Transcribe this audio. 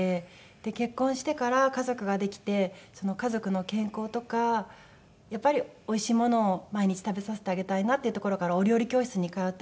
結婚してから家族ができて家族の健康とかやっぱりおいしいものを毎日食べさせてあげたいなっていうところからお料理教室に通ったりとかして。